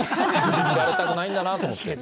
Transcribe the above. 嫌われたくないんだなと思って。